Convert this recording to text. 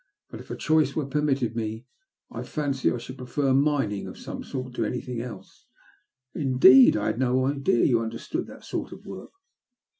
But if a choice were permitted me, I fancy I should prefer mining of some sort to anything else." '* Indeed ! I had no idea you understood that sort of work."